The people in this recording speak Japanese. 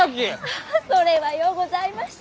ハハそれはようございました！